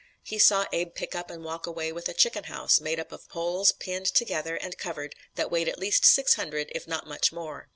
He saw Abe pick up and walk away with "a chicken house, made up of poles pinned together, and covered, that weighed at least six hundred if not much more."